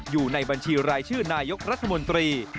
อยู่ในบัญชีรายชื่อนายกรัฐมนตรี